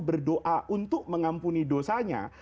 berdoa untuk mengampuni dosanya